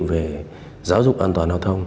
về giáo dục an toàn hợp thông